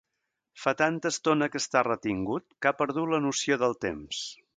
Fa tanta estona que està retingut que ha perdut la noció del temps.